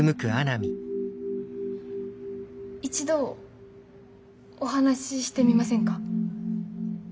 一度お話ししてみませんか。